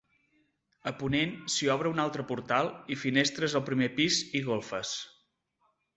A ponent s'hi obre un altre portal i finestres al primer pis i golfes.